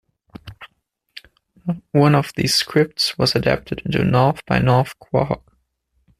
One of these scripts was adapted into "North by North Quahog".